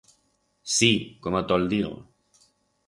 Sí, como to'l digo.